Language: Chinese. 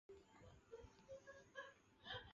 这部音乐剧的灵感来自于一本杂志里的照片。